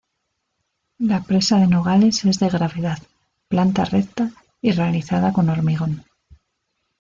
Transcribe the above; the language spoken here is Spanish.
La presa de Nogales es de gravedad, planta recta y realizada con hormigón.